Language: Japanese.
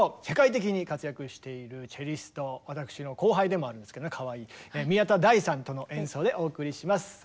世界的に活躍しているチェリスト私の後輩でもあるんですけどねかわいい宮田大さんとの演奏でお送りします。